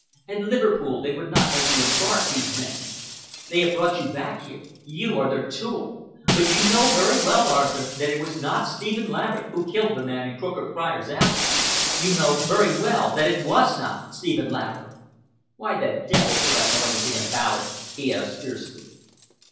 At Liverpool they would not let you embark—these men. They have brought you back here. You are their tool. But you know very well, Arthur, that it was not Stephen Laverick who killed the man in Crooked Friars' Alley! You know very well that it was not Stephen Laverick!" "Why the devil should I know anything about it?" he asked fiercely.